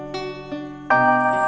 tidak ada apa apa